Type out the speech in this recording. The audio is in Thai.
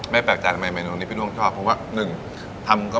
ไม่แปลกใจทำไมโหมดิที่ชอบเพราะว่าหนึ่งทำก็